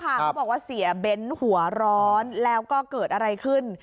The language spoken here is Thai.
เขาบอกว่าเสียเบ้นหัวร้อนแล้วก็เกิดอะไรขึ้น